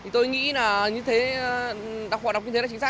tôi nghĩ là họ đọc như thế là chính xác